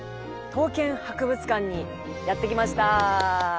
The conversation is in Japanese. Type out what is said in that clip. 刀剣博物館にやって来ました。